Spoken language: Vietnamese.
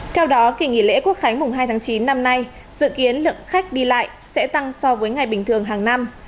theo đó kỳ nghỉ lễ quốc khánh mùng hai tháng chín năm nay dự kiến lượng khách đi lại sẽ tăng so với ngày bình thường hàng năm